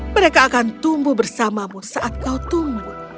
mereka akan tumbuh bersamamu saat kau tumbuh